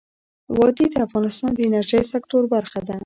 وادي د افغانستان د انرژۍ سکتور برخه ده.